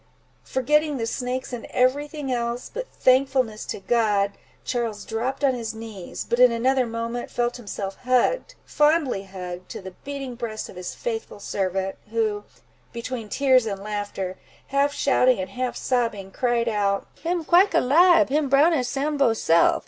Forgetting the snakes, and every thing else, but thankfulness to God, Charles dropped on his knees; but in another moment, he felt himself hugged, fondly hugged, to the beating breast of his faithful servant, who, between tears and laughter, half shouting, and half sobbing, cried out—"Him quike alibe! him brown as Sambo self!